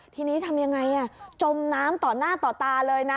ทีนี้ทำยังไง